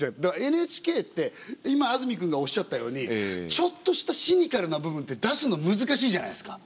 ＮＨＫって今安住くんがおっしゃったようにちょっとしたシニカルな部分って出すの難しいじゃないですか。